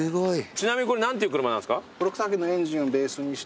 ちなみにこれ何ていう車なんですか？